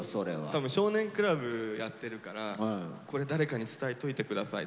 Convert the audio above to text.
多分「少年倶楽部」やってるからこれ誰かに伝えといてくださいとか。